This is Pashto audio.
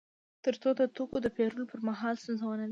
تر څو د توکو د پېرلو پر مهال ستونزه ونلري